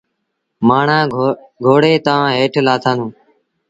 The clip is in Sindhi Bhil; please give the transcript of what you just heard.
مآڻهآݩ گھوڙي تآݩ هيٺ لآٿآݩدون۔